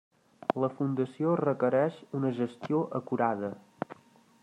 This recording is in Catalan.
La fundació requereix una gestió acurada.